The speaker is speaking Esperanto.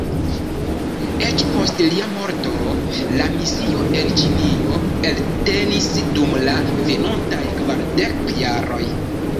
Eĉ post lia morto, la misio en Ĉinio eltenis dum la venontaj kvardek jaroj.